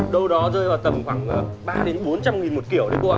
đâu đó rơi vào tầm khoảng ba đến bốn trăm linh một kiểu đấy cô ạ